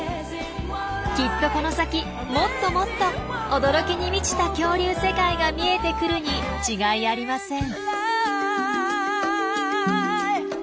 きっとこの先もっともっと驚きに満ちた恐竜世界が見えてくるに違いありません！